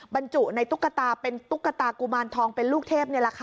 บรรจุในตุ๊กตาเป็นตุ๊กตากุมาลทองเป็นลูกเทพ